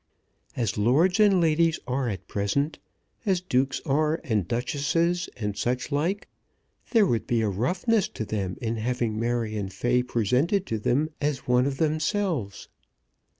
"As lords and ladies are at present, as dukes are, and duchesses, and such like, there would be a roughness to them in having Marion Fay presented to them as one of themselves.